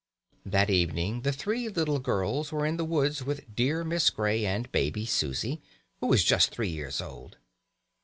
That evening the three little girls were in the woods with dear Miss Grey and baby Susie, who was just three years old.